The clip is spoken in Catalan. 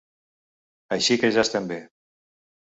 Així que ja estem bé.